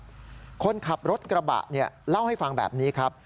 บทขวกับรถกระบะเล่าให้ฟังแบบนี้ครับ